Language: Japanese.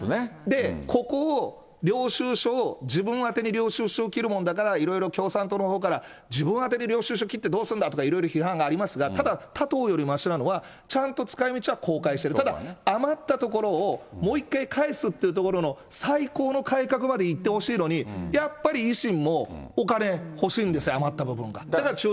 ここを、領収書を自分宛てに領収書を切るもんだから、いろいろ共産党のほうから、自分宛てに領収書切ってどうするんだと、いろいろ批判がありますが、ただ他党よりましなのは、ちゃんと使いみちは公開してる、ただ余ったところを、もう一回返すっていうところの最高の改革までいってほしいのに、やっぱり維新も、お金欲しいんですよ、余った分は。